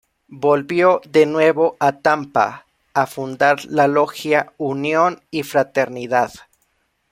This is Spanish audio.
Volvió de nuevo a Tampa, a fundar la logia Unión y Fraternidad.